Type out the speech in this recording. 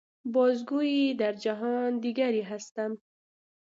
باز گوئی در جهان دیگری هستم.